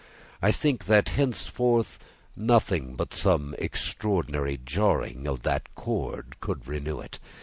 I think that, henceforth, nothing but some extraordinary jarring of that chord could renew it.